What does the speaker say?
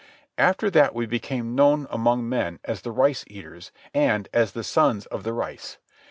After that we became known among men as the Rice Eaters and as the Sons of the Rice.